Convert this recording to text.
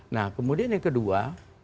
nah kemudian yang kedua